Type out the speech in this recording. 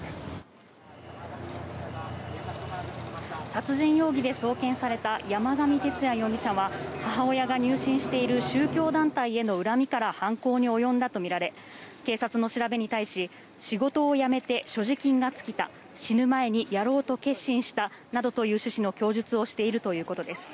殺人容疑で送検された山上徹也容疑者は母親が入信している宗教団体への恨みから犯行に及んだとみられ警察の調べに対し仕事を辞めて所持金が尽きた死ぬ前にやろうと決心したなどという趣旨の供述をしているということです。